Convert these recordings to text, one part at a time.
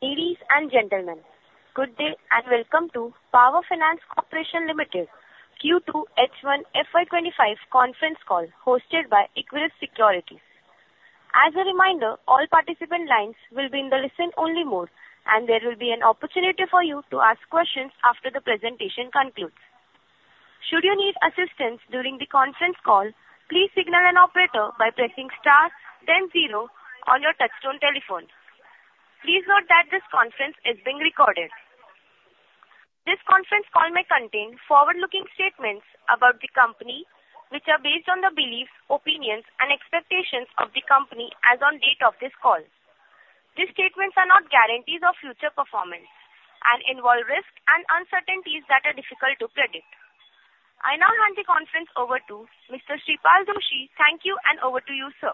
Ladies and gentlemen, good day, and welcome to Power Finance Corporation Limited Q2 H1 FY 2025 conference call hosted by Equirus Securities. As a reminder, all participant lines will be in the listen-only mode, and there will be an opportunity for you to ask questions after the presentation concludes. Should you need assistance during the conference call, please signal an operator by pressing star then zero on your touch-tone telephone. Please note that this conference is being recorded. This conference call may contain forward-looking statements about the company which are based on the beliefs, opinions and expectations of the company as on the date of this call. These statements are not guarantees of future performance and involve risk and uncertainties that are difficult to predict. I now hand the conference over to Mr. Sripal Doshi. Thank you. And over to you, sir.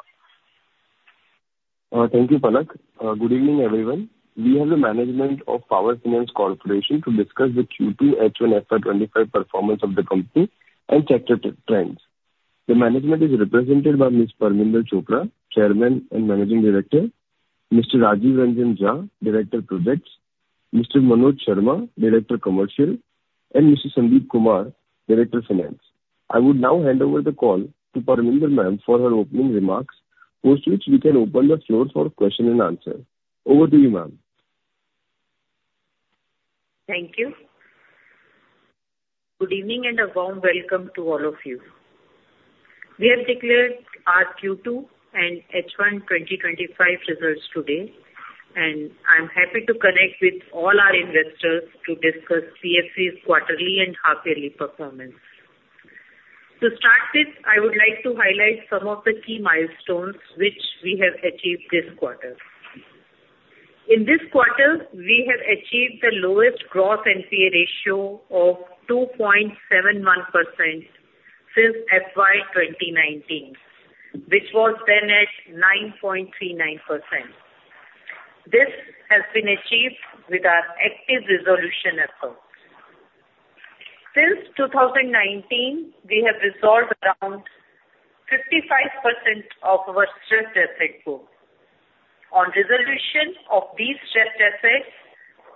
Thank you. Good evening everyone. We have the management of Power Finance Corporation to discuss the Q2H1FY 2025 performance of the company and sector trends. The management is represented by Ms. Parminder Chopra, Chairman and Managing Director. Mr. Rajiv Ranjan Jha, Director Projects. Mr. Manoj Sharma, Director Commercial and Mr. Sandeep Kumar, Director of Finance. I would now hand over the call to Parminder Ma'am for her opening remarks post which we can open the floor for question and answer. Over to you, Ma'am. Thank you. Good evening and a warm welcome to all of you. We have declared our Q2 and H1 2025 results today, and I'm happy to connect with all our investors to discuss these PFC's quarterly and half yearly performance. To start this, I would like to highlight some of the key milestones which we have achieved this quarter. In this quarter we have achieved the lowest gross NPA ratio of 2.71% since FY 2019 which was then at 9.39%. This has been achieved with our active resolution efforts since 2019. We have resolved around 55% of our stress asset pool. On resolution of these stress assets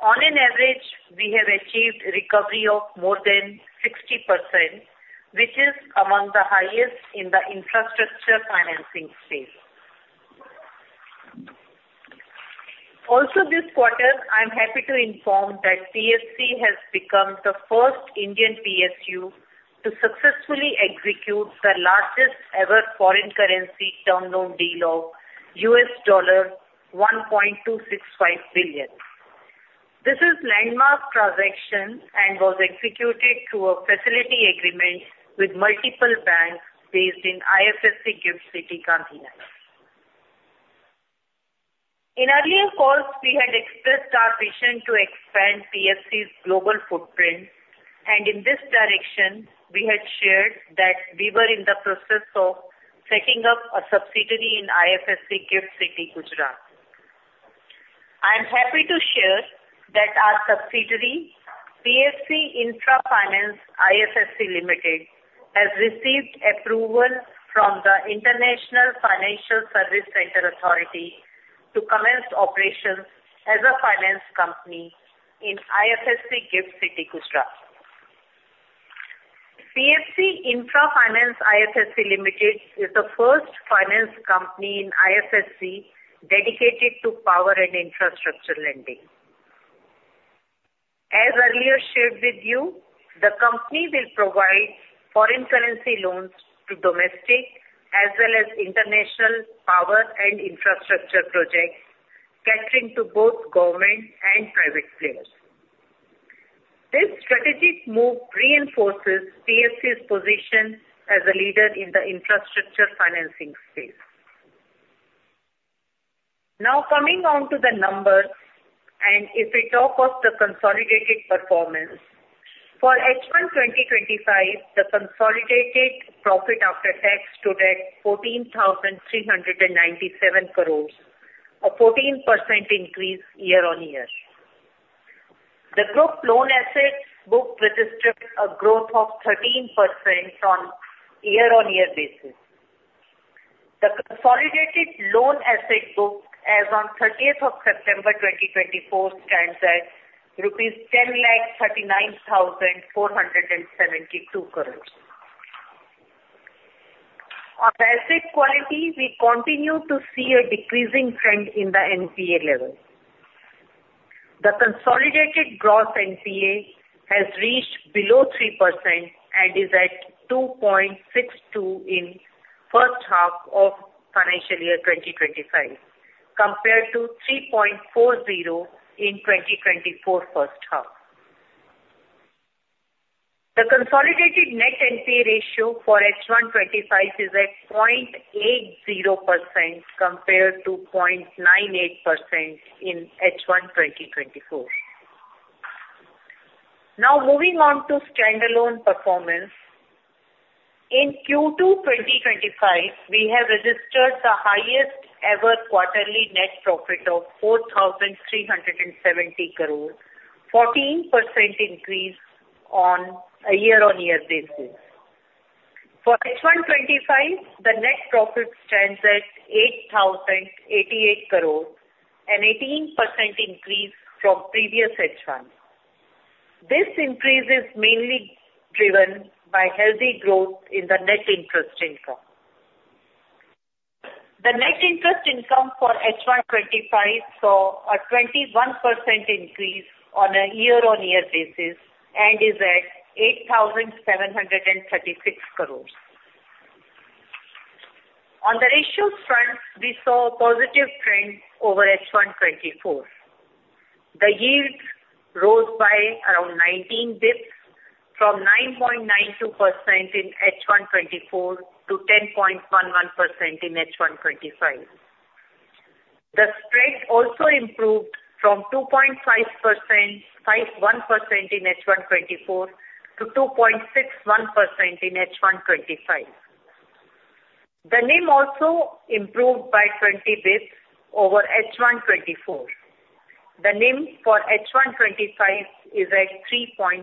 on an average we have achieved recovery of more than 60% which is among the highest in the infrastructure financing. Also this quarter I'm happy to inform that PFC has become the first Indian PSU to successfully execute the largest ever foreign currency term loan deal of $1.265 billion. This is a landmark transaction and was executed through a facility agreement with multiple banks based in IFSC GIFT City. In earlier calls we had expressed our vision to expand PFC's global footprint. In this direction we had shared that we were in the process of setting up a subsidiary in IFSC GIFT City, Gujarat. I am happy to share that our subsidiary PFC Infra Finance IFSC Limited has received approval from the International Financial Services Centres Authority to commence operations as a finance company in IFSC. GIFT City, Gujarat. PFC Infra Finance IFSC Limited is the first finance company in IFSC dedicated to power and infrastructure lending. As earlier shared with you, the company will provide foreign currency loans to domestic as well as international power and infrastructure projects catering to both government and private players. This strategic move reinforces PFC's position as a leader in the infrastructure financing space. Now coming on to the numbers and if we talk of the consolidated performance for H1 2025 the consolidated profit after tax stood at INR 14,397 crore, a 14% increase year-on-year. The group loan assets book registered a growth of 13% on year-on-year basis. The consolidated loan asset book as on September 30th, 2024 stands at INR 1,039,472 crore. On the asset quality we continue to see a decreasing trend in the NPA level. The consolidated gross NPA has reached below 3% and is at 2.62% in first half of financial year 2025 compared to 3.40% in 2024 first half, The consolidated net NPA ratio for H1 2025 is at 0.80% compared to 0.98% in H1 2024. Now moving on to standalone performance in Q2 2025, we have registered the highest ever quarterly net profit of 4,370 crore, 14% increase on a year-on-year basis. For H1 2025, the net profit stands at 8,088 crore, an 18% increase from previous H1. This increase is mainly driven by healthy growth in the net interest income. The net interest income for H1 2025 saw a 21% increase on a year-on-year basis and is at 8,736 crores. On the ratios front, we saw a positive trend over H1 2024. The yield rose by around 19 bps from 9.92% in H1 2024 to 10.11% in H1 2025. The spread also improved from 2.55% in H1 2024 to 2.61% in H1 2025. The NIM also improved by 20 bps over H1 2024. The NIM for H125 is at 3.57%.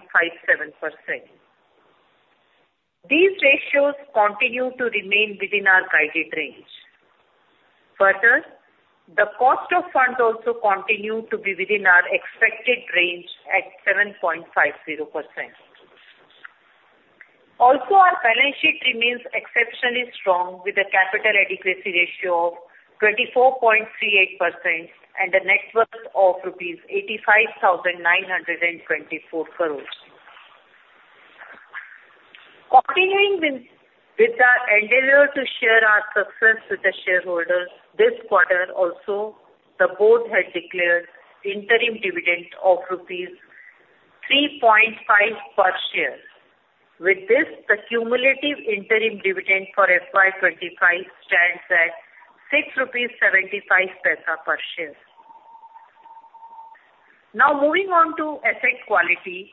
These ratios continue to remain within our guided range. Further, the cost of funds also continues to be within our expected range at 7.50%. Also, our balance sheet remains exceptionally strong with a capital adequacy ratio of 24.38% and a net worth of rupees 85,924 crore. Continuing with our endeavor to share our success with the shareholders, this quarter also the Board had declared interim dividend of rupees 3.5 per share. With this, the cumulative interim dividend for FY 2025 stands at 6.75 rupees per share. Now moving on to asset quality.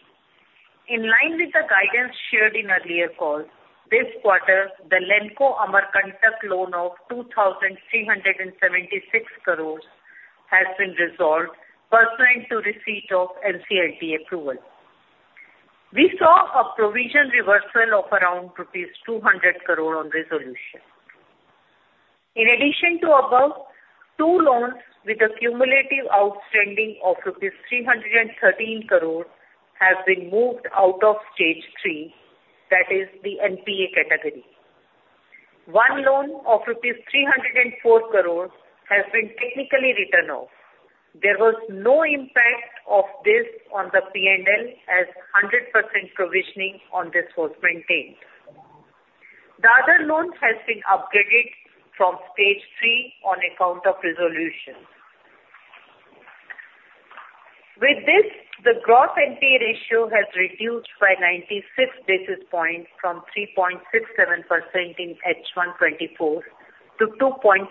In line with the guidance shared in earlier call this quarter, the Lanco Amarkantak loan of 2,376 crore has been resolved. Pursuant to receipt of NCLT approval, we saw a provision reversal of around rupees 200 crore on resolution. In addition to above, two loans with a cumulative outstanding of rupees 313 crore have been moved out of stage 3, that is the NPA category. One loan of rupees 304 crore has been technically written off. There was no impact of this on the P&L as 100% provisioning on this was maintained. The other loan has been upgraded from stage 3 on account of resolution. With this the Gross NPA ratio has reduced by 96 basis points from 3.67% in H1 2024 to 2.71%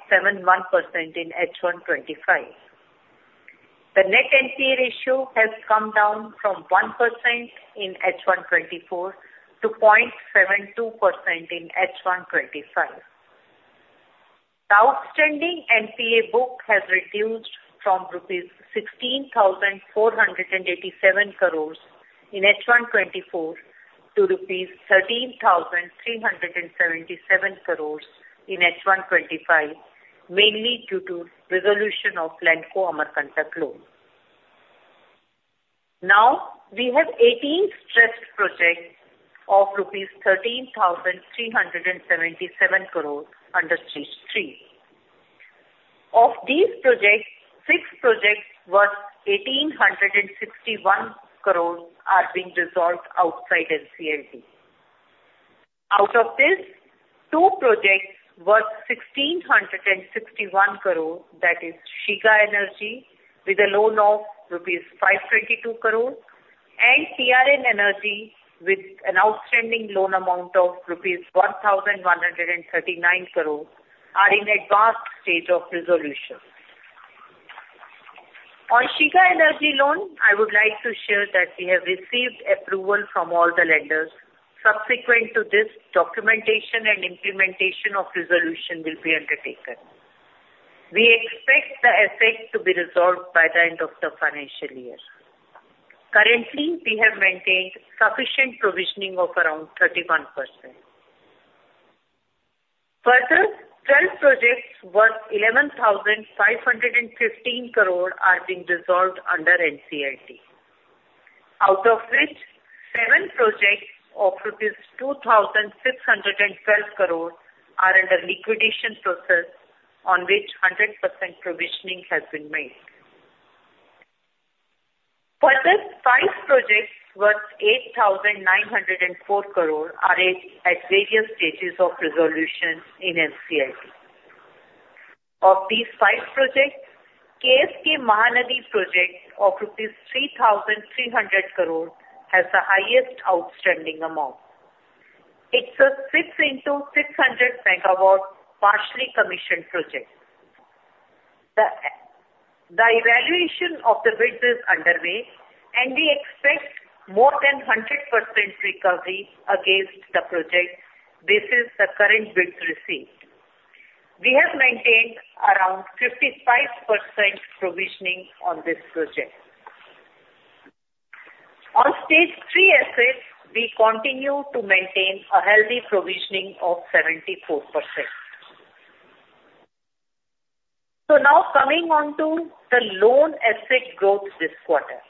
in H1 2025. The net NPA ratio has come down from 1% in H1 2024 to 0.72% in H1 2025. The outstanding NPA book has reduced from rupees 16,487 crore in H1 2024 to 13,377 crore in H1 2025 mainly due to resolution of Lanco Amarkantak loan. Now we have 18 stressed projects of rupees 13,377 crore under stage 3. Of these projects, six projects worth 1,861 crore are being resolved outside NCLT. Out of this, two projects worth INR 1,661 crore, that is, Shiga Energy with a loan of INR 522 crore and TRN Energy with an outstanding loan amount of INR 1,139 crore are in advanced state of resolution. On Shiga Energy loan, I would like to share that we have received approval from all the lenders. Subsequent to this documentation and implementation of resolution will be undertaken. We expect the asset to be resolved by the end of the financial year. Currently we have maintained sufficient provisioning of around 31%. Further 12 projects worth 11,515 crore are being resolved under NCLT. Out of which seven projects of 2,612 crore are under liquidation process on which 100% provisioning has been made. For these five projects worth 8,904 crore are at various stages of resolution. One of these five projects, KSK Mahanadi project of INR 3,300 crore has the highest outstanding amount. It's a six into 600 MW partially commissioned project. The evaluation of the bids is underway and we expect more than 100% recovery against the project basis. The current bids received, we have maintained around 55% provisioning on this project. On Stage 3 assets we continue to maintain a healthy provisioning of 74%. Now coming on to the loan asset growth this quarter.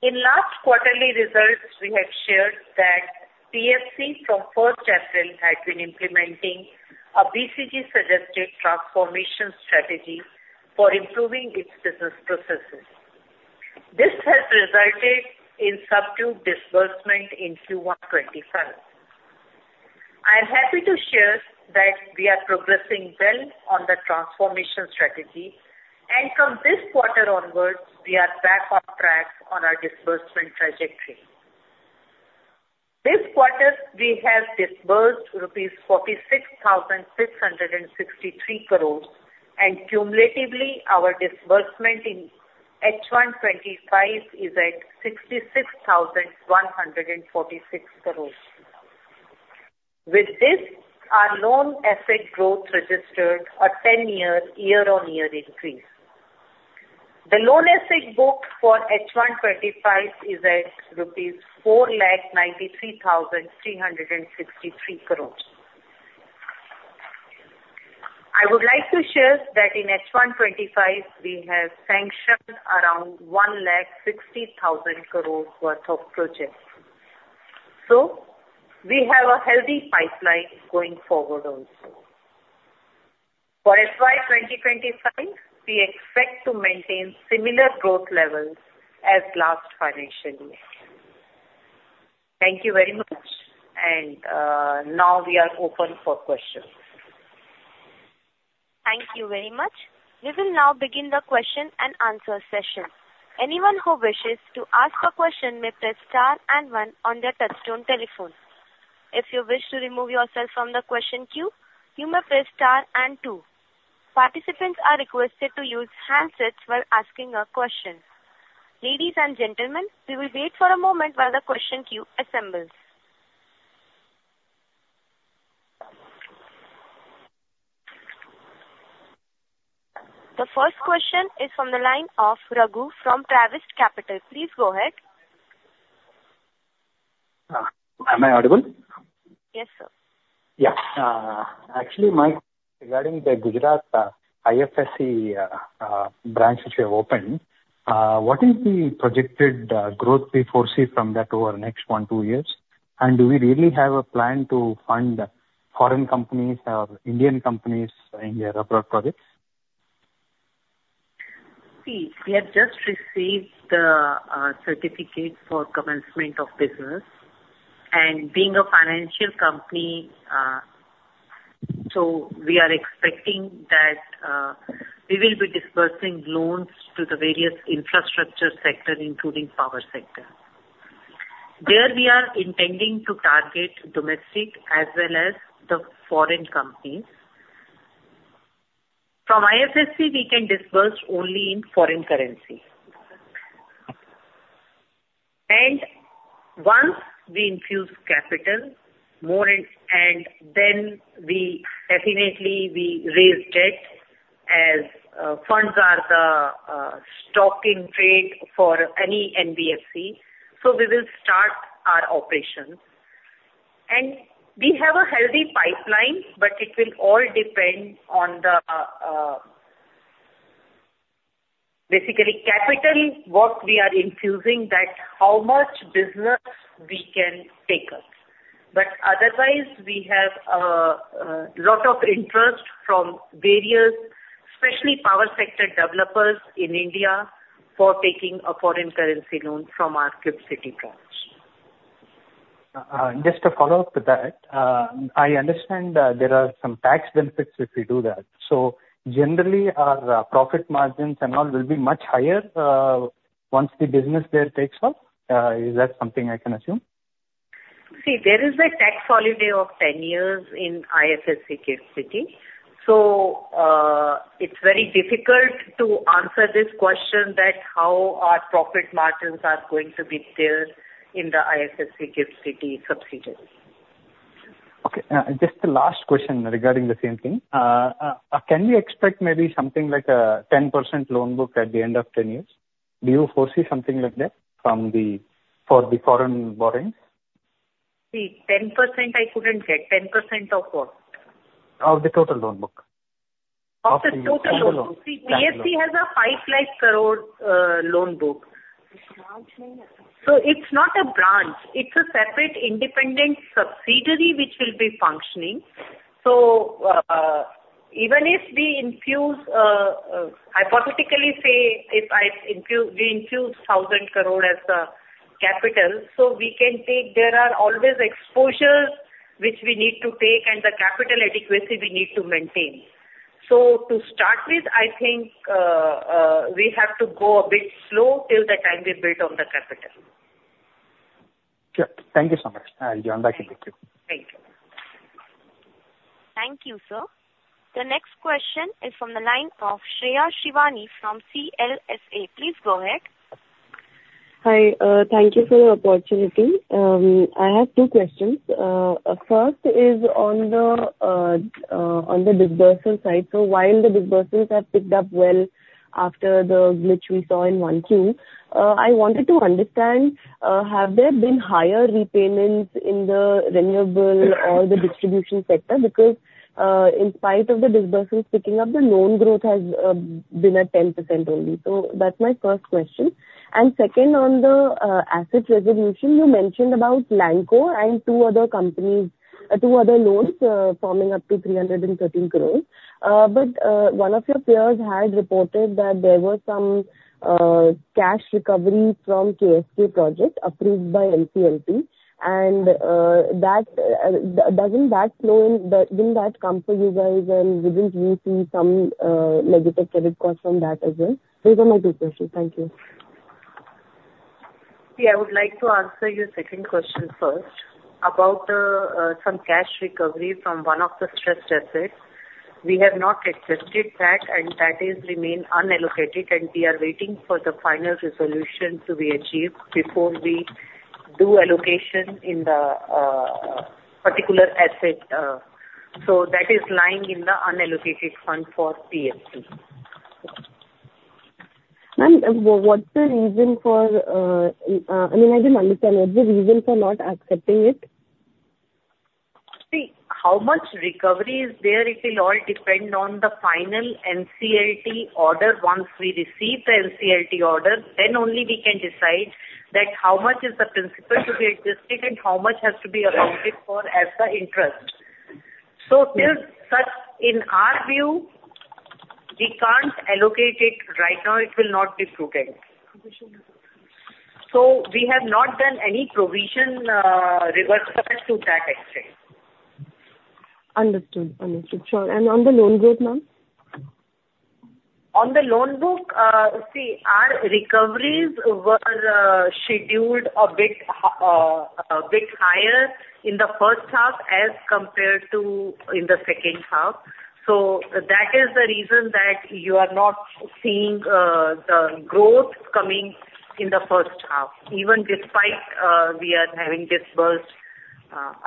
In the last quarterly results we have shared that PFC from April 1st, had been implementing a BCG suggested transformation strategy for improving its business processes. This has resulted in subdued disbursement in Q1 2025. I am happy to share that we are progressing well on the transformation strategy. From this quarter onwards we are back on track on our disbursement trajectory. This quarter we have disbursed rupees 46,663 crore. Cumulatively our disbursement in H1 2025 is at 66,146 crores. With this our loan asset growth registered a 10% year-on-year increase. The loan asset book for H1 2025 is at INR 4,93,363 crores. I would like to share that. In H1 2025 we have sanctioned around 1.6 Lakh crores worth of projects. So we have a healthy pipeline going forward also. For FY 2025 we expect to maintain similar growth levels as last financial year. Thank you very much. Now we are open for questions. Thank you very much. We will now begin the question-and-answer session. Anyone who wishes to ask a question may press star and one on their touch-tone telephone. If you wish to remove yourself from the question queue, you may press star and two. Participants are requested to use handsets while asking a question. Ladies and gentlemen, we will wait for a moment while the question queue assembles. The first question is from the line of Raghu from Travis Capital. Please go ahead. Am I audible? Yes, sir. Yeah, actually, Mike, regarding the Gujarat IFSC branch which we have opened. What is the projected growth we foresee from that over next one, two years? And do we really have a plan to fund foreign companies or Indian companies in their abroad projects. We have just received the certificate for commencement of business and being a financial company, so we are expecting that we will be disbursing loans to the various infrastructure sector including power sector there. We are intending to target domestic as well as the foreign companies. From IFSC we can disburse only in foreign currency and once we infuse capital more and then we definitely raise debt as funds are the stock in trade for any NBFC. So we will start our operation and we have a healthy pipeline. But it will all depend on the basically capital what we are infusing that how much business we can take up. But otherwise we have lot of interest from various especially power sector developers in India for taking a foreign currency loan from our GIFT City. Just to follow up with that, I understand there are some tax benefits if you do that. So generally our profit margins and all will be much higher once the business there takes off. Is that something I can assume? See, there is a tax holiday of 10 years in IFSC GIFT City, so it's very difficult to answer this question that how our profit margins are going to be there in the IFSC GIFT City subsidiaries. Okay, just the last question regarding the same thing. Can we expect maybe something like a 10% loan book at the end of 10 years? Do you foresee something like that? From the foreign borrowings side. 10% I couldn't get 10%. Of what? Of the total loan book. BSE has a 5 lakh crore loan book. So it's not a branch, it's a separate independent subsidiary which will be functioning. So even if we infuse hypothetically say if I infuse 1,000 crore as the capital so we can take, there are always exposures which we need to take and the capital adequacy we need to maintain. So to start with I think we have to go a bit slow till the time we build on the capital. Sure.Thank you so much. I'll join back. Thank you sir. The next question is from the line of Shreya Shivani from CLSA. Please go ahead. Hi. Thank you for the opportunity. I have two questions. First is on the disbursement side. So while the disbursements have picked up well after the glitch we saw in Q1, I wanted to understand, have there been higher repayments in the renewable or the distribution sector? In spite of the disbursements picking up, the loan growth has been at 10% only. So that's my first question. Second, on the asset resolution. You mentioned about Lanco and two other companies, two other loans forming up to 313 crore, but one of your peers had reported that there was some cash recovery from KSK project approved by NCLT and doesn't that flow in? Didn't that come for you guys? Wouldn't you see some negative credit cost from that as well? These are my two questions. Thank you. Yeah, I would like to answer your second question first about some cash recovery from one of the stressed assets. We have not accepted that and that remains unallocated and we are waiting for the final resolution to be achieved before we do allocation in the particular asset. So that is lying in the unallocated fund for PSC. I mean I didn't understand what's the reason for not accepting it? See how much recovery is there. It will all depend on the final NCLT order. Once we receive the NCLT order then only we can decide that how much is the principal to be adjusted and how much has to be accounted for as the interest. So in our view we can't allocate it right now. It will not disputing. So we have not done any provision reversal to that extent. Understood? Understood. Sure. And on the loan growth, ma'am? On the loan book, see, our recoveries were scheduled a bit higher in the first half as compared to in the second half. So that is the reason that you are not seeing the growth coming in the first half even despite we are having disbursed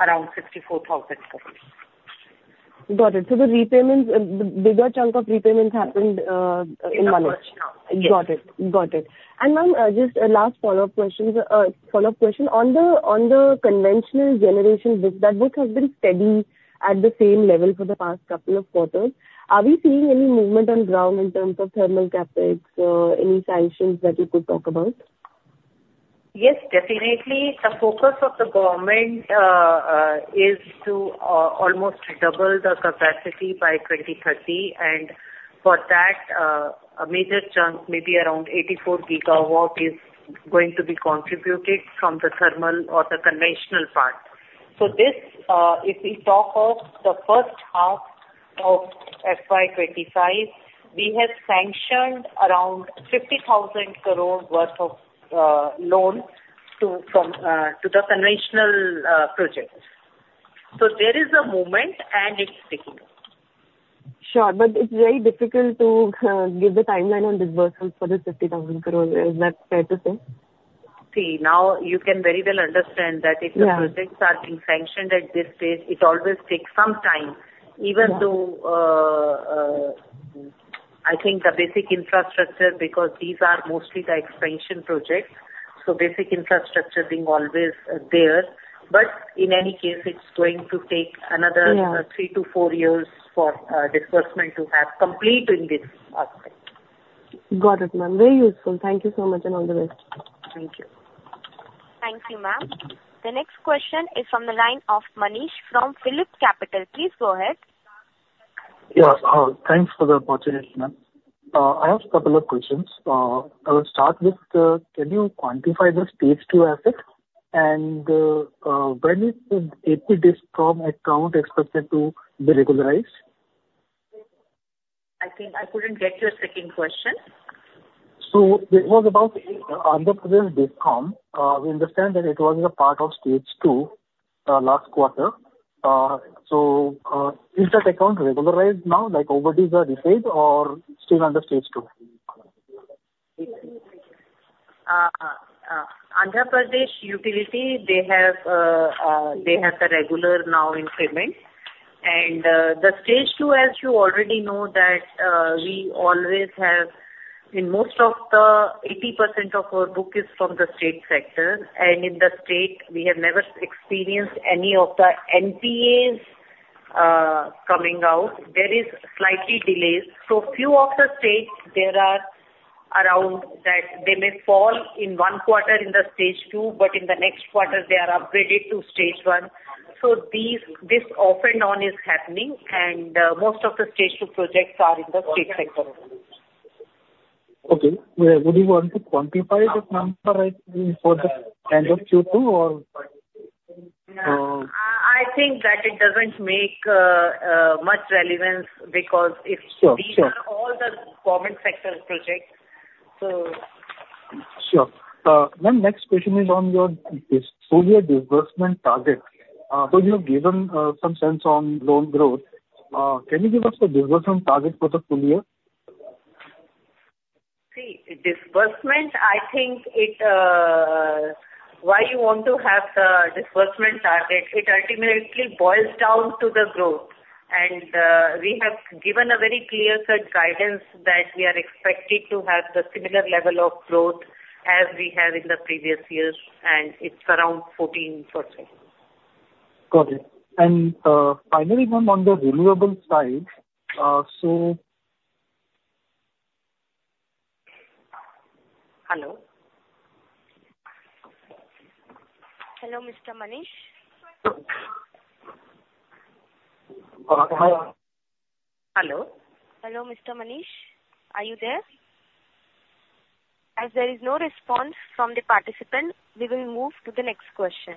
around 64,000 crore. Got it. So the repayments, the bigger chunk of repayments happened in Manish? Got it. Got it. And ma'am, just a last follow-up question on the conventional generation book. That book has been steady at the same level for the past couple of quarters. Are we seeing any movement on the ground in terms of thermal CapEx? Any sanctions that you could talk about? Yes, definitely. The focus of the government is to almost double the capacity by 2030 and for that a major chunk maybe around 84 GW is going to be contributed from the thermal or the conventional part. So this, if we talk of the first half of FY 2025 we have sanctioned around 50,000 crore worth of loan to the conventional projects. So there is a movement and it's picking up. Sure. But it's very difficult to give the timeline on disbursement for this 50,000 crore. Is that fair to say? See, now you can very well understand that if the projects are being sanctioned at this stage, it always takes some time, even though I think the basic infrastructure because these are mostly the expansion projects. So basic infrastructure being always there. But in any case, it's going to take another three to four years for disbursement to have completed this. Got it, ma'am. Very useful. Thank you so much and all the best. Thank you. Thank you, ma'am. The next question is from the line of Manish from Phillip Capital. Please go ahead. Yeah, thanks for the opportunity. I have a couple of questions I will start with. Can you quantify the Stage 2 assets and when is AP DISCOM account expected to be regularized? I think I couldn't get your second question. We understand that it was a part of Stage 2 last quarter. So is that account regularized now? Like overdues are cured or still under. Stage 2 Andhra Pradesh utility they have. They have the regularization now in payment and the Stage 2 as you already know that we always have in. Most of the 80% of our book is from the state sector. And in the state we have never experienced any of the NPAs coming out. There is slight delays. So few of the states there are around that they may fall in one quarter in the Stage 2 but in the next quarter they are upgraded to Stage 1. So this off and on is happening and most of the Stage 2 projects are in the state sector. Okay. Would you want to quantify this number right for the end of Q2 or? I think that it doesn't make much relevance because if these are all the power sector projects. Sure. My next question is on your disbursement target. So you have given some sense on loan growth. Can you give us the disbursement target for the full year? See disbursement. I think it's why you want to have the disbursement target. It ultimately boils down to the growth, and we have therefore given a very clear-cut guidance that we are expected to have the similar level of growth as we have in the previous years, and it's around 14%. Got it. And finally one on the renewable side. So. Hello? Hello Mr. Manish. Hello? Hello, Mr. Manish, are you there? As there is no response from the participant we will move to the next question.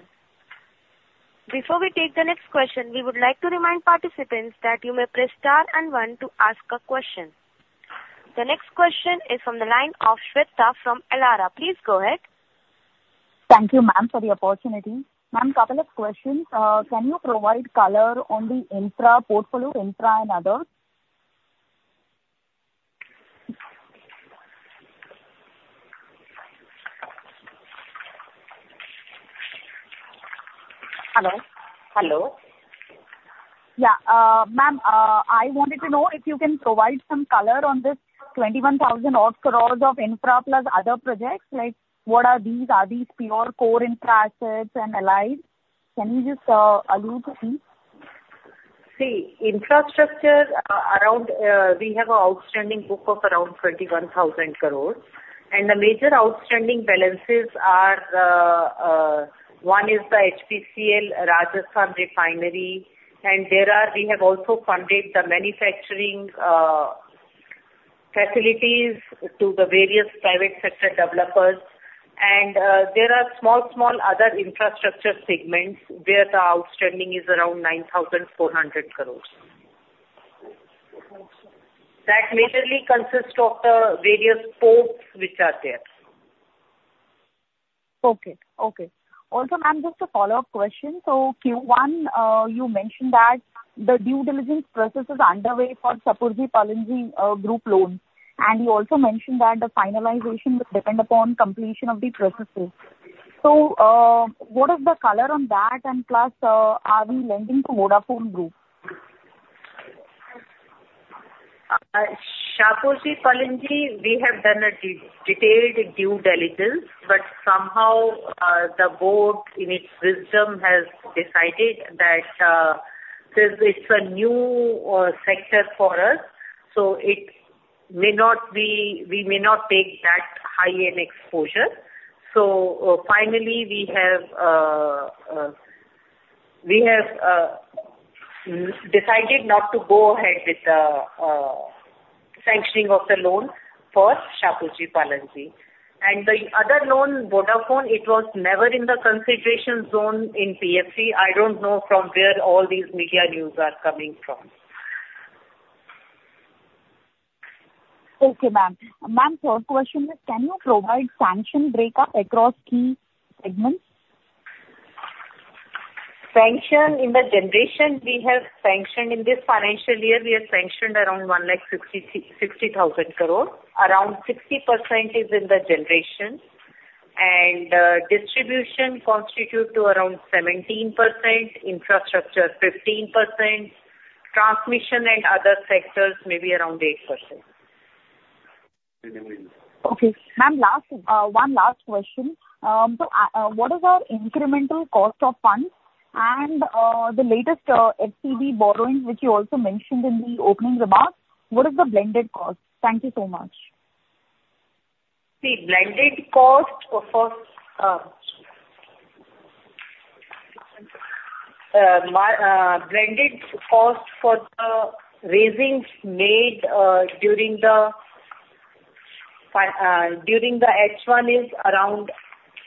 Before we take the next question we would like to remind participants that you may press Star and one to ask a question. The next question is from the line of Shweta from Elara. Please go ahead. Thank you, ma'am, for the opportunity. Ma'am, couple of questions. Can you provide color on the infra portfolio? Infra and Others. Hello. Yeah, I wanted to know if you can provide some color on this 21,000 odd crores of infra plus. Other projects like what are these? Are these pure core infra assets and allied? Can you just allude to these? see infrastructure around. We have an outstanding book of around 21,000 crore and the major outstanding balances are. One is the HPCL Rajasthan Refinery and there are. We have also funded the manufacturing facilities to the various private sector developers and there are small, small other infrastructure segments where the outstanding is around 9,400 crores that majorly consist of the various ports which are there. Okay. Okay. Also, ma'am, just a follow-up question. So Q1 you mentioned that the due diligence process is underway for support group loan. And you also mentioned that the finalization will depend upon completion of the processes. So what is the color on that? And plus are we lending to Vodafone Group? We have done a detailed due diligence but somehow the board in its wisdom has decided that it's a new sector for us, so it may not be. We may not take that high an exposure, so finally we have decided not to go ahead with the sanctioning of the loan for Shapoorji Pallonji and the other known Vodafone. It was never in the consideration zone in PFC. I don't know from where all these media news are coming from. Okay ma'. Ma'am, third question is: can you provide sanction break-up across key? Sanctions. In the generation we have sanctioned in this financial year around 15,000-60,000 crore. Around 60% is in the generation and distribution constitute to around 17%. Infrastructure 15% transmission and other sectors maybe around 8%. Okay, ma'am, last one, last question. What is our incremental cost of funds and the latest FCB borrowing which you also mentioned in the opening remarks? What is the blended cost? Thank you so much. My blended cost for the raisings made during the H1 is around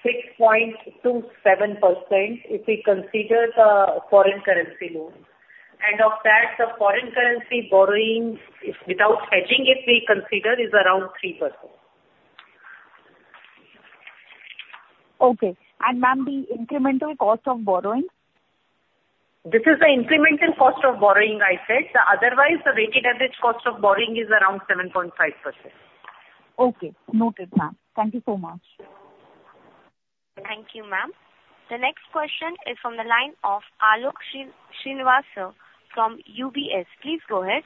6.27%. If we consider the first foreign currency loans and of that the foreign currency borrowing without hedging it we consider is around 3%. Okay. And, ma'am, the incremental cost of borrowing? This is the incremental cost of borrowing. I said otherwise the weighted average cost of borrowing is around 7.5%. Okay, noted, ma'am. Thank you so much. Thank you, ma'am. Am. The next question is from the line of Alok Srinivasan from UBS. Please go ahead.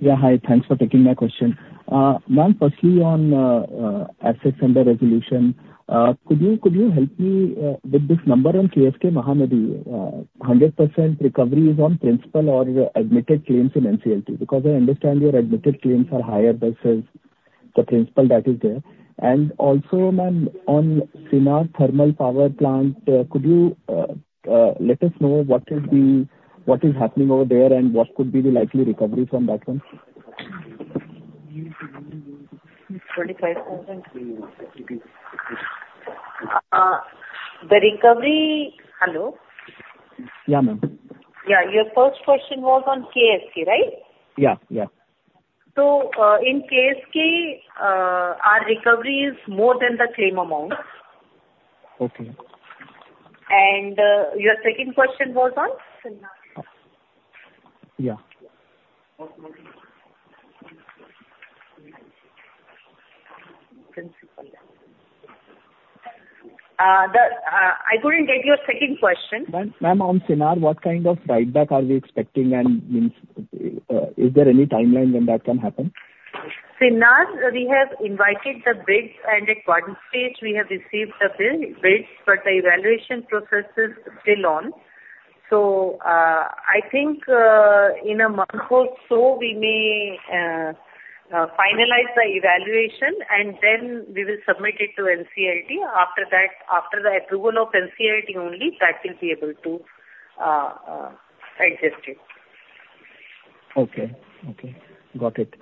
Yeah, hi, thanks for taking my question, ma'am. Firstly, on assets under resolution, could you help me with this number? On KSK Mahanadi, 100% recovery is on principal or admitted claims in NCLT because I understand your admitted claims are higher. This is the principal that is there. And also on Sinnar thermal power plant, could you let us know what is happening over there and what could be the likely recovery from that one? The recovery. Hello. Yeah, ma'am. Yeah. Your first question was on KSK, right? Yeah. Yeah. So in KSK, our recovery is more than the claim amount. Okay. Your second question was on. Yeah. I couldn't get your second question, ma'am. On Sinnar, what kind of write back are we expecting, and I mean, is there any timeline when that can happen? We have invited the bids and at one stage we have received the bids, but the evaluation process is still on. So I think in a month or so we may finalize the evaluation and then we will submit it to NCLT. After that, after the approval of NCIT, only that will be able to adjust it. Okay. Got it,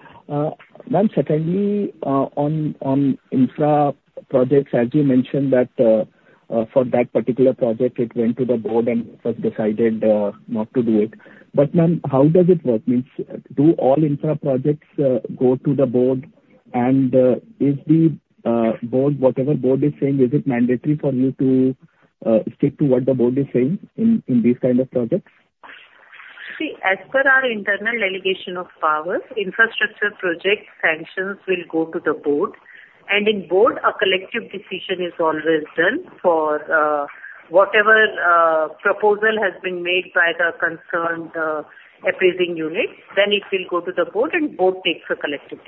ma'am. Secondly, on infra projects, as you mentioned that for that particular project it went to the board and was decided not to do it. But ma'am, how does it work? Means do all infra projects go to the board? And is the board, whatever board is saying, is it mandatory for you to stick to what the board is saying in these kind of projects? See, as per our internal delegation of power infrastructure project sanctions will go to the board. And in board a collective decision is always done for whatever proposal has been made by the company concerned appraising unit. Then it will go to the board and board takes a collective.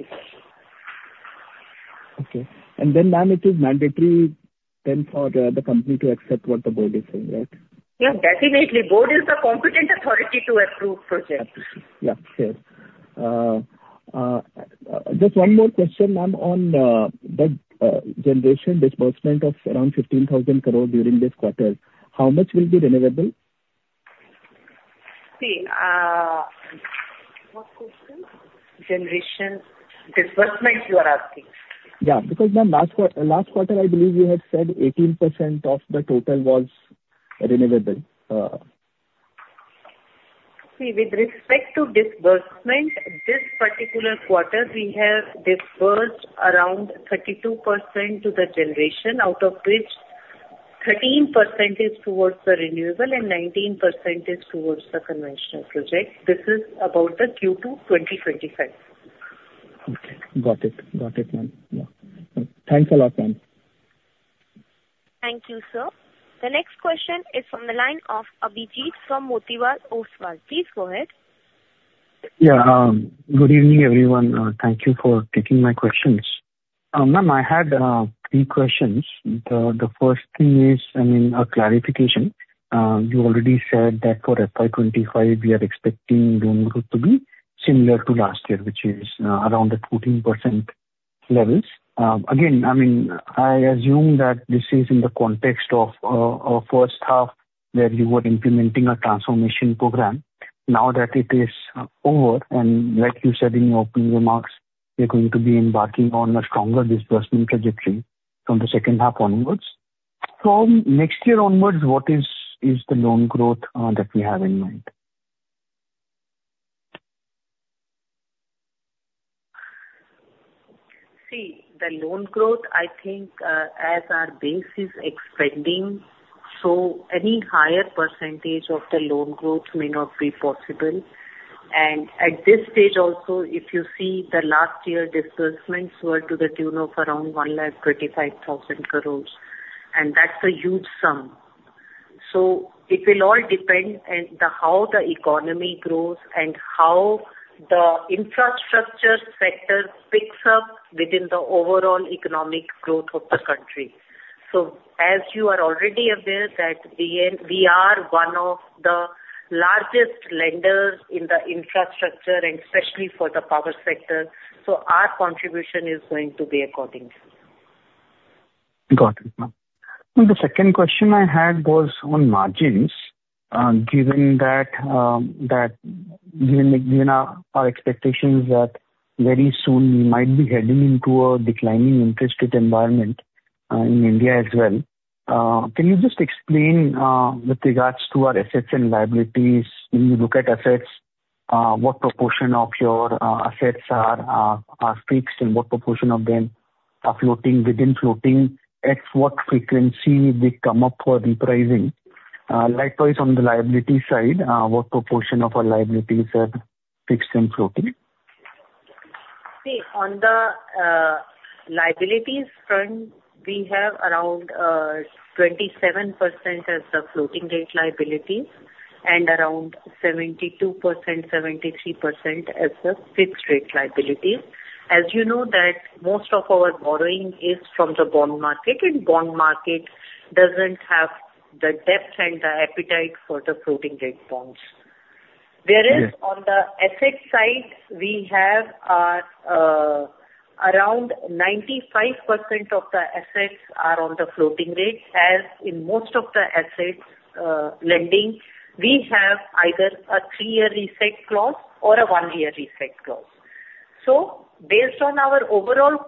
Okay. And then ma'am, it is mandatory then for the company to accept what the board is saying, right? Yeah, definitely. Board is the competent authority to approve projects. Yeah. Just one more question, ma'am. On that generation disbursement of around 15,000 crore during this quarter, how much will be renewable. Generation? Disbursement you are asking? Yeah, because last quarter I believe we had said 18% of the total was renewable. See, with respect to disbursement, this particular quarter we have disbursed around 30% to the generation. Out of which 13% is towards the renewable and 19% is towards the conventional project. This is about the Q2 2025. Got it, got it. Thanks a lot, ma'am. Thank you, sir. The next question is from the line of Abhijit from Motilal Oswal, please go ahead. Yeah. Good evening everyone. Thank you for taking my questions. Ma'am, I had three questions. The first thing is, I mean a clarification. You already said that for FY25, we are expecting loan growth to be similar to last year which is around the 14% levels. Again, I mean, I assume that this is in the context of a first half where you were implementing a transformation program. Now that it is over and like you said in your opening remarks, we're going to be embarking on a stronger disbursement trajectory from the second half onwards. From next year onwards, what is the loan growth that we have in mind? See, the loan growth, I think as our base is expanding, so any higher percentage of the loan growth may not be possible. And at this stage also if you see the last year disbursements were to the tune of around 1,25,000 crore. And that's a huge sum. So it will all depend on how the economy grows and how the infrastructure sector picks up within the overall economic growth of the country. So as you are already aware that we are one of the largest lenders in the infrastructure and especially for the power sector. So our contribution is going to be according. Got it. The second question I had was on margins. Given that given our expectations that very soon we might be heading into a declining interest rate environment in India as well. Can you just explain with regards to our assets and liabilities, when you look at assets, what proportion of your assets are fixed and what proportion of them are floating within floating at what frequency they come up for repricing? Likewise on the liability side, what proportion of our liabilities are fixed and floating? On the liabilities front, we have around 27% as the floating rate liabilities and around 72%-73% as the fixed rate liabilities. As you know that most of our borrowing is from the bond market and the bond market doesn't have the depth and the appetite for the floating rate bonds. Whereas on the asset side, we have our around 95% of the assets are on the floating rate. As in most of the assets lending, we have either a three-year reset clause or a one-year reset clause. So based on our overall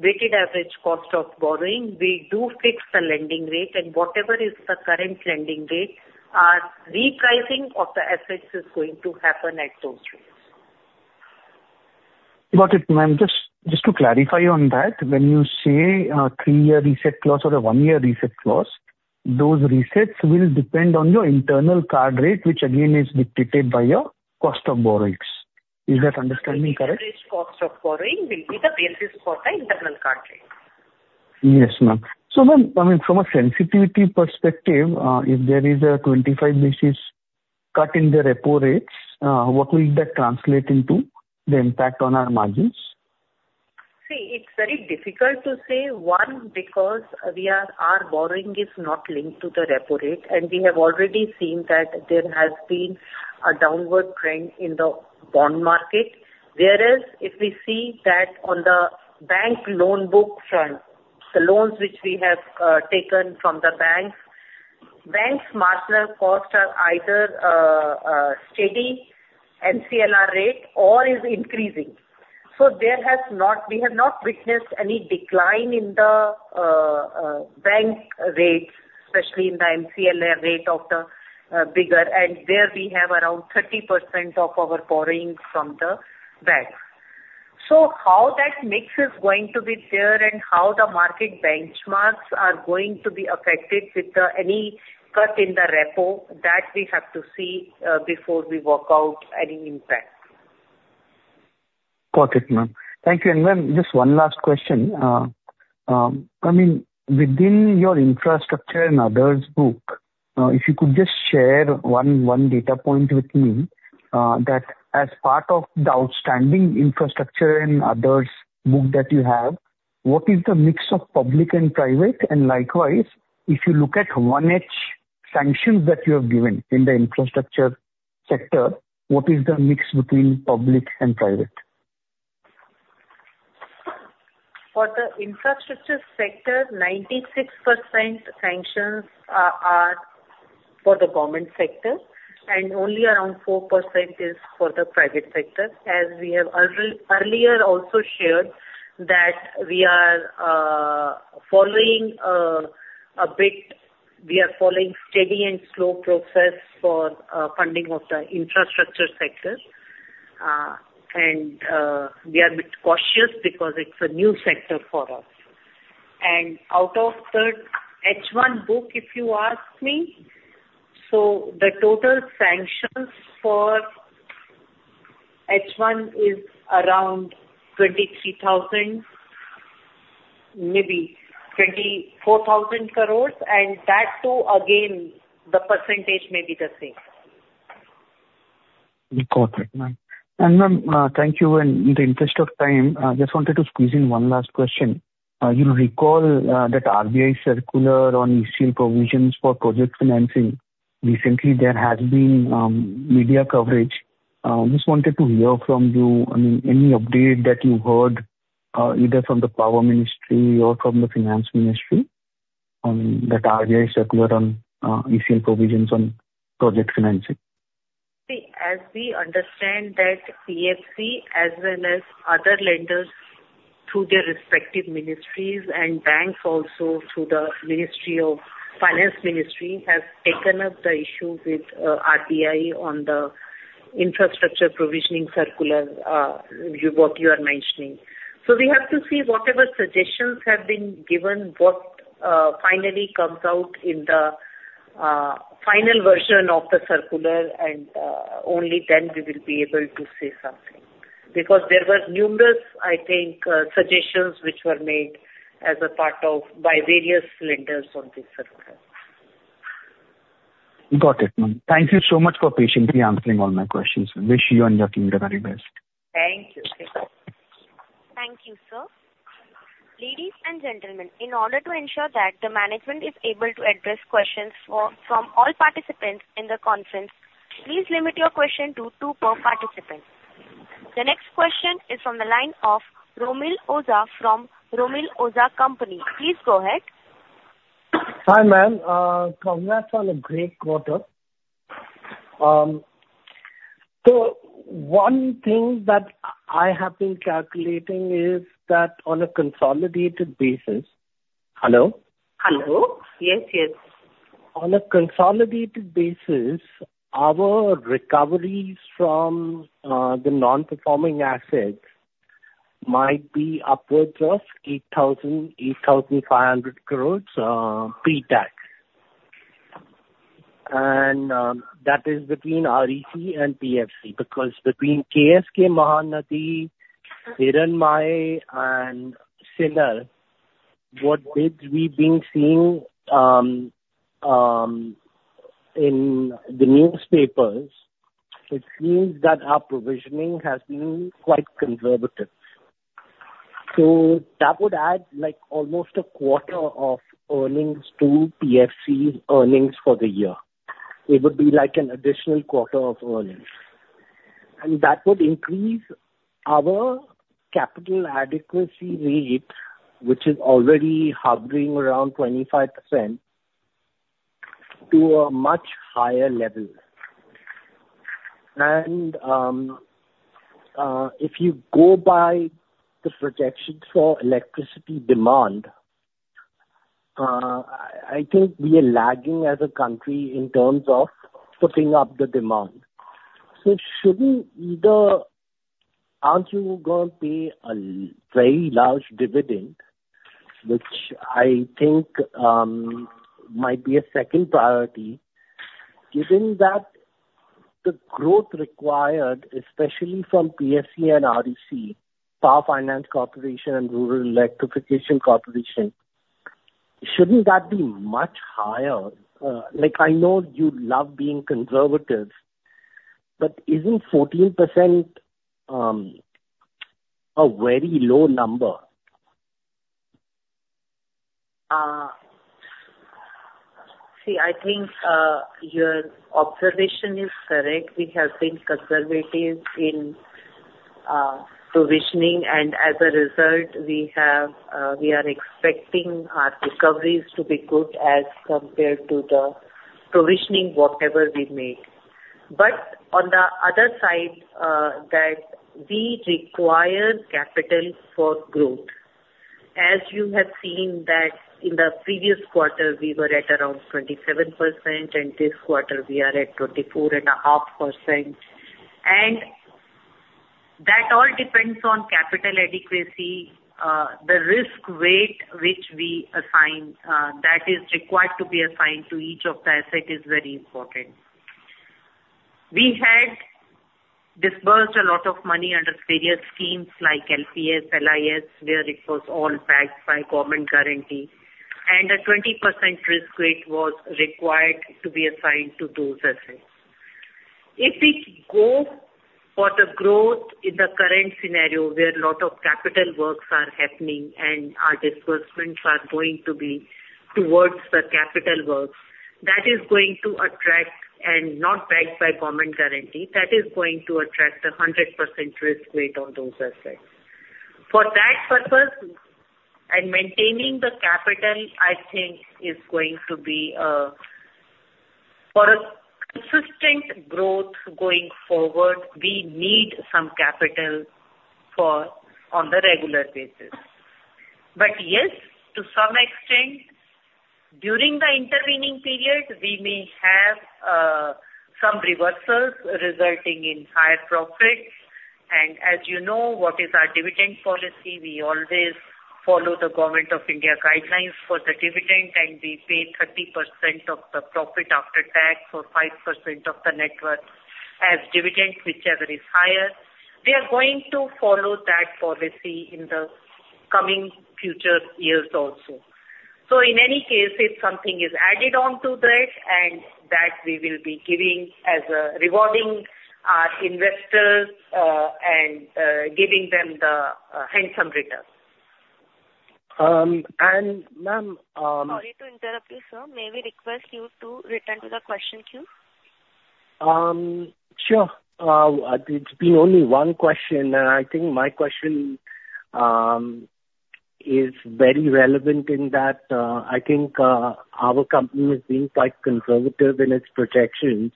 weighted average cost of borrowing, we do fix the lending rate and whatever is the current lending rate, repricing of the assets is going to happen at those rates. Got it? Ma'am. Just to clarify on that, when you say three year reset clause or a one year reset clause, those resets will depend on your internal card rate which again is dictated by your cost of borrowings. Is that understanding correct? Cost of borrowing will be the basis for the internal MCLR? Yes ma'. Am. So I mean from a sensitivity perspective, if there is a 25 basis cut in the repo rates, what will that translate into the impact on our margins? See, it's very difficult to say one because our borrowing is not linked to the repo rate and we have already seen that there has been a downward trend in the bond market. Whereas if we see that on the bank loan book front the loans which we have taken from the banks banks marginal costs are either steady MCLR rate or is increasing. So there has not, we have not witnessed any decline in the bank rates, especially in the MCLR rate of the bigger. And there we have around 30% of our borrowings from the bank. So how that mix is going to be there and how the market benchmarks are going to be affected with any cut in the repo that we have to see before we work out any impact. Got it, ma'am. Thank you. Just one last question coming within your infrastructure and others book, if you could just share one data point with me that as part of the outstanding infrastructure and others book that you have, what is the mix of public and private? And likewise if you look at one H sanctions that you have given in the infrastructure sector, what is the mix between public and private? For the infrastructure sector, 96% sanctions are for the government sector and only around 4% is for the private sector. As we have earlier also shared, we are following a steady and slow process for funding of the infrastructure sector and we are a bit cautious because it's a new sector for us and out of the H1 book if you ask me, so the total sanctions for H1 is around 23,000, maybe 24,000 crores. And that too again the percentage may be the same. Got it and thank you. In the interest of time, I just wanted to squeeze in one last question. You recall that RBI circular on ECL provisions for project financing? Recently there has been media coverage. Just wanted to hear from you. I mean any update that you heard either from the Power Ministry or from the Finance Ministry on that RBI circular on ECL provisions on project financing. See, as we understand that PFC as well as other lenders through their respective ministries and banks also through the Ministry of Finance have taken up the issue with RBI on the infrastructure provisioning circular. You know what you are mentioning. So we have to see whatever suggestions have been given. What finally comes out in the final version of the circular and only then we will be able to say something because there were numerous I think suggestions which were made as a part of by various lenders on this circular. Got it. Thank you so much for patiently answering all my questions. Wish you and your team the very best. Thank you. Thank you, sir. Ladies and gentlemen, in order to ensure that the management is able to address questions from all participants in the conference, please limit your question to two per participant. The next question is from the line of Romil Oza from Romil Oza & Co. Please go ahead. Hi Ma'. Am. Company. That's on a great quarter. So one thing that I have been calculating is that on a consolidated basis. Hello. Hello. Yes. Yes. On a consolidated basis our recoveries from the non-performing assets might be upwards of 8,000-8,500 crore pre-tax. And that is between REC and PFC because between KSK Mahanadi and Sinnar. What bids we've been seeing in the newspapers it seems that our provisioning has been quite conservative. So that would add like almost a quarter of earnings to PFC's earnings for the year. It would be like an additional quarter of earnings and that would increase our capital adequacy rate which is already hovering around 25% to a much higher level. And. If you go by the projections for electricity demand, I think we are lagging as a country in terms of putting up the demand. Aren't you going to pay a very large dividend which I think might be a second priority given that the growth required especially from PSE and REC, Power Finance Corporation and Rural Electrification Corporation, shouldn't that be much higher? Like I know you love being conservative but isn't 14% a very low number? See, I think your observation is correct. We have been conservative in provisioning and as a result we have. We are expecting our recoveries to be good as compared to the provisioning, whatever we make. But on the other side that we require capital for growth. As you have seen that in the previous quarter we were at around 27% and this quarter we are at 24.5%. And that all depends on capital adequacy. The risk weight which we assign that is required to be assigned to each of the asset is very important. We had disbursed a lot of money under various schemes like LPS, LIS where it was all backed by common guarantee and a 20% risk weight was required to be assigned to those assets. If we go for the growth in the current scenario where lot of capital works are happening and disbursements are going to be towards the capital work that is going to attract and not backed by common guarantee that is going to attract 100% risk weight on those assets for that purpose. Maintaining the capital I think is going to be for a consistent growth going forward. We need some capital on the regular basis. But yes, to some extent during the intervening period we may have some reversals resulting in higher profits. As you know what is our dividend policy, we always follow the Government of India guidelines for the dividend and we pay 30% of the profit after tax or 5% of the net worth as dividend, whichever is higher. We are going to follow that policy in the coming future years also. In any case, if something is added on to that, and that we will be giving as a rewarding investors and giving them the handsome return. And. Ma'am, sorry to interrupt you, sir. May we request you to return to the question queue? Sure. It's been only one question and I think my question is very relevant in that I think our company has been quite conservative in its projections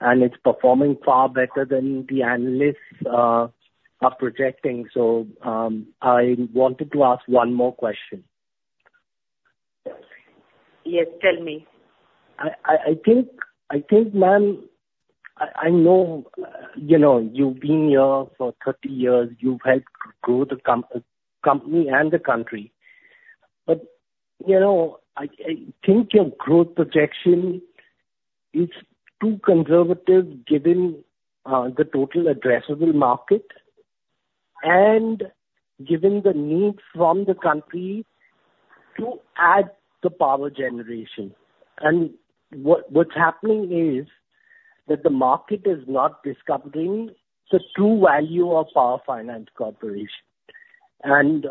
and it's performing far better than the analysts are projecting. So I wanted to ask one more question. Question. Yes, tell me. I think, I know you know you've been here for 30 years. You've helped grow the company and the country, but you know, I think your growth projection is too conservative given the total addressable market and given the need from the country to add the power generation, and what's happening is that the market is not discovering the true value of Power Finance Corporation, and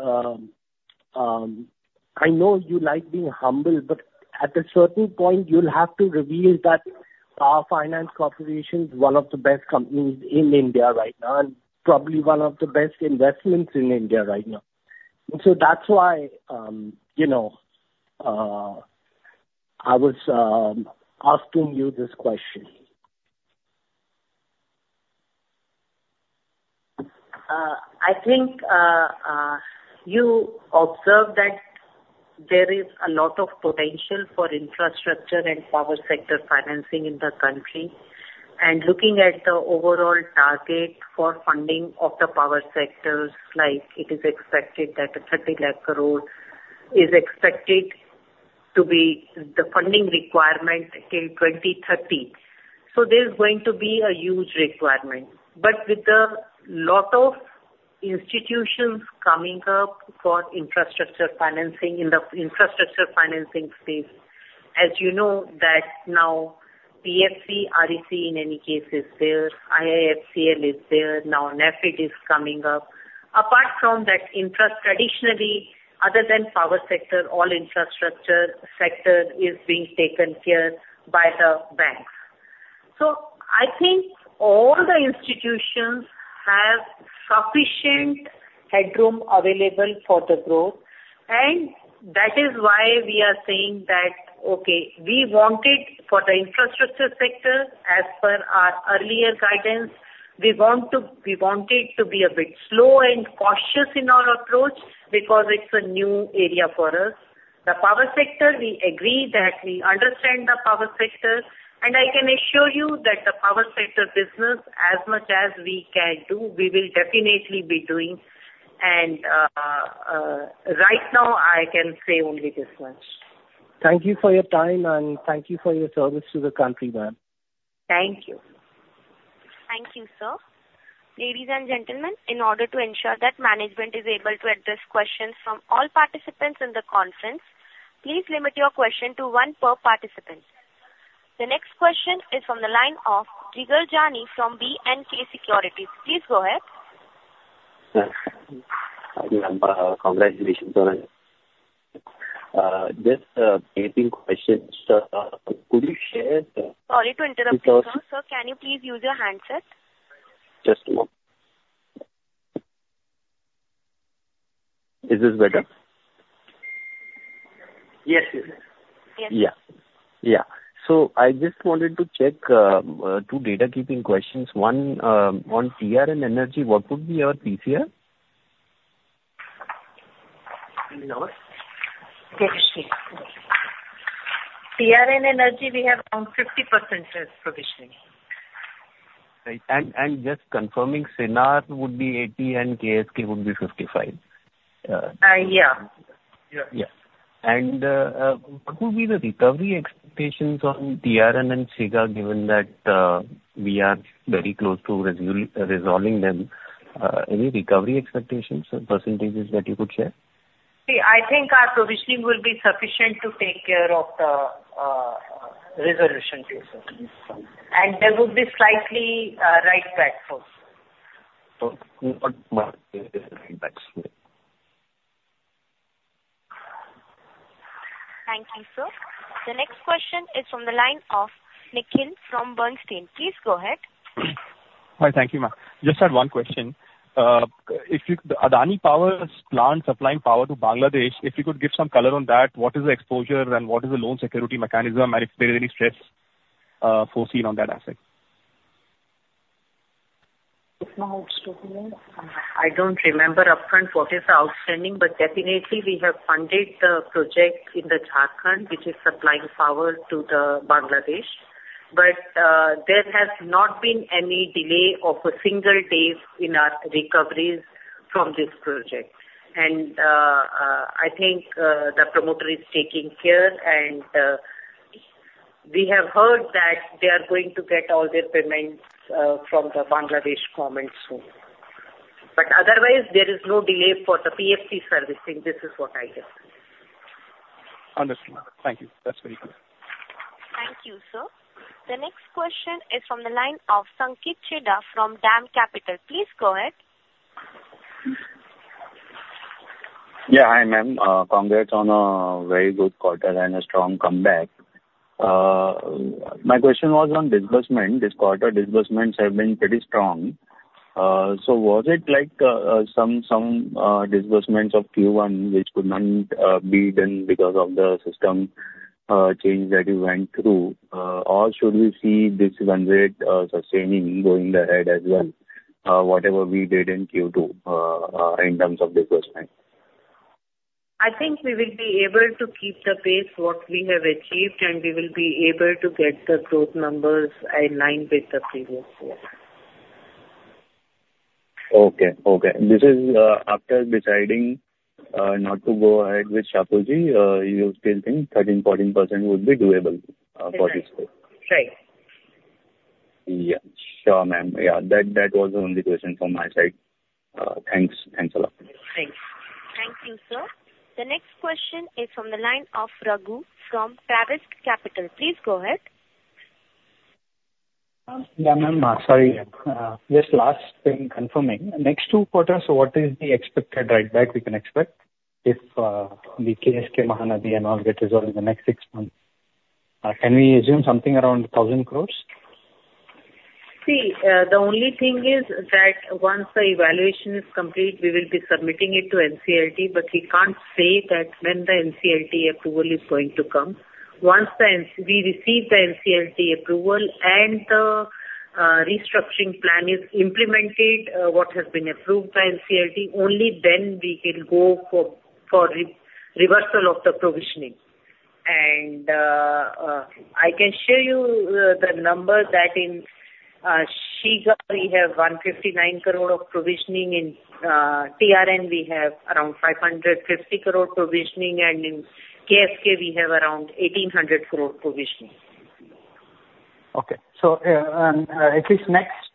I know you like being humble but at a certain point you'll have to reveal that our Power Finance Corporation is one of the best companies in India right now and probably one of the best investments in India right now, so that's why, you know, I was asking you this question. I think you observe that there is a lot of potential for infrastructure and power sector financing in the country. And looking at the overall target for funding of the power sectors like it is expected that 30 lakh crore is expected to be the funding requirement in 2030. So there's going to be a huge requirement but with a lot of institutions coming up for interested services financing in the infrastructure financing space. As you know that now PFC, REC in any case is there, IIFCL is there now NaBFID is coming up. Apart from that interest, traditionally other than power sector, all infrastructure sector is being taken care by the banks. So I think all the institutions have sufficient headroom available for the growth. And that is why we are saying that okay. We wanted for the infrastructure sector as per our earlier guidance. We wanted to be a bit slow and cautious in our approach because it's a new area for us, the power sector. We agree that we understand the power sector. And I can assure you that the power sector business as much as we can do, we will definitely be doing. And right now I can say only this much. Thank you for your time and thank. you for your service to the country. Ma'am. Thank you. Thank you, sir. Ladies and gentlemen, in order to ensure that management is able to address questions from all participants in the conference, please limit your question to one point. Participants, the next question is from the line of Jigar Jani from BNK Securities. Please go ahead. Congratulations. Sir. Can you please use your handset? Just. Is this better? Yes. So I just wanted to check two bookkeeping questions. One on TRN Energy. What would be our PCR. TRN Energy we have on 50% provisioning. Right. And. Just confirming Sinnar TR would be 80 and KSK would be 55. Yeah, yeah. What would be the recovery expectations on TRN and Shiga given that we are very close to resolving them? Any recovery expectations or percentages that you could share? See, I think our provisioning will be sufficient to take care of the resolution. And there would be slightly. Right back. Thank you. Sir. The next question is from the line of Nikhil from Bernstein. Please go ahead. Hi. Thank you. Ma'am. Just had one question. If you Adani Power plant supplying power to Bangladesh. If you could give some color on that. What is the exposure and what is the loan security mechanism? And if there is any stress foreseen on that asset. I don't remember upfront what is the outstanding. But definitely we have funded the project in Jharkhand which is supplying power to Bangladesh. But there has not been any delay of a single day in our recoveries from this project. And I think the promoter is taking care and we have heard that they are going to get all their payments from the Bangladesh government soon. But otherwise there is no delay for the PFC servicing. This is what I did. Thank you. That's very good. Thank you, sir. The next question is from the line of Sanket Chheda from DAM Capital. Please go ahead. Yeah. Hi ma'. Am. Congrats on a very good quarter and a strong comeback. My question was on disbursement this quarter. Disbursements have been pretty strong. So was it like some disbursements of Q1 which could not be done because of the system change that happened too? Or should we see this run rate sustaining going ahead as well? Whatever we did in Q2 in terms. For the first time, I think we will be able to keep the pace what we have achieved, and we will be able to get the growth numbers in line with the previous year. Okay. This is after deciding not to go ahead with Shapoorji. You still think 30%-14% would be doable, right? Yeah, sure. Ma'am. Am. Yeah, that. That was only question from my side. Thanks. Thanks a lot. Thanks. Thank you. Sir. The next question is from the line of Raghu from Travis Capital. Please go ahead. Sorry, just last thing. Confirming next two quarters. What is the expected write back? We can expect if the KSK Mahanadi and all get resolved in the next six months. Can we assume something around thousand crores? See, the only thing is that once the evaluation is complete, we will be submitting it to NCLT. We can't say that when the NCLT approval is going to come. Once we receive the NCLT approval and the restructuring plan is implemented, what has been approved by NCLT, only then we can go for reversal of the provisioning. I can show you the number that in SH we have 159 crore of provisioning. In TRN we have around 550 crore provisioning. In KSK we have around 1800 crore provisioning. Okay, so at least next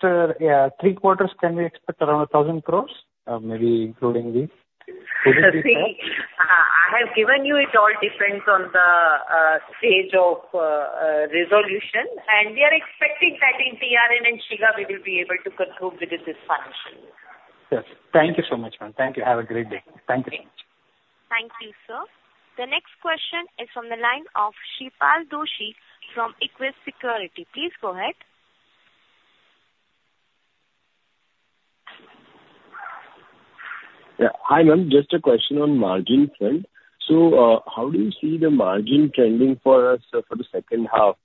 three quarters can we expect around 1,000 crores? Maybe including these. I have given you. It all depends on the stage of resolution, and we are expecting that in TRN and Shiga we will be able to conclude with this function. Yes. Thank you so much. Thank you. Have a great day. Thank you. Thank you. The next question is from the line of Sripal Doshi from Equirus Securities. Please go ahead. Hi ma'. Am. Just a question on margin front. So how do you see the margin trending for us for the second half?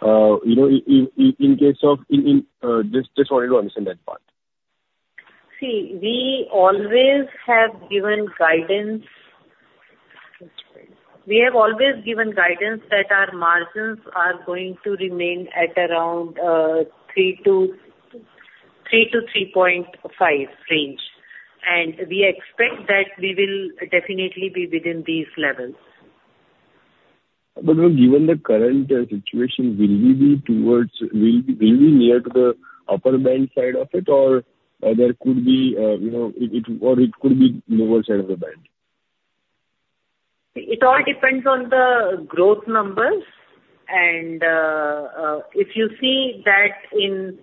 You know, in case of. Just wanted to understand that part. See, we always have given guidance. We have always given guidance that our margins are going to remain at around 3%-3.5% range, and we expect that we will definitely be within these levels. But given the current situation, will we be near to the upper end side of it or there could be, you know, or it could be lower side of the band? It all depends on the growth numbers. And if you see that in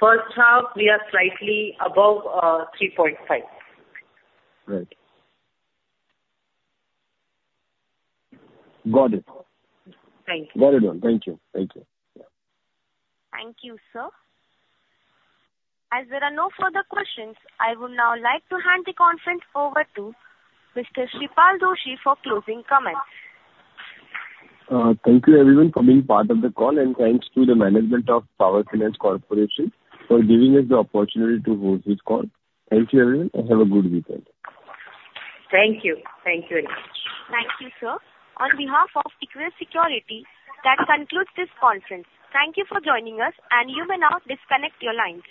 first half we are slightly above 3.5. Right? Got it. Thank you. Got it. Thank you. Thank you. Thank you, sir. As there are no further questions, I would now like to hand the conference over to Mr. Sripal Doshi for closing comments. Thank you everyone for being part of the call. And thanks to the management of Power Finance Corporation for giving us the opportunity to host this call. Thank you everyone and have a good weekend. Thank you. Thank you. Thank you, sir. On behalf of Equirus Securities, that concludes this conference. Thank you for joining us. And you may now disconnect your lines.